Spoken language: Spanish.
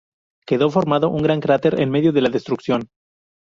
Quedó formado un gran cráter, en medio de la destrucción.